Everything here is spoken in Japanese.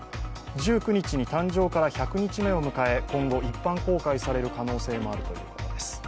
１９日に誕生から１００日目を迎え、今後、一般公開される可能性もあるということです。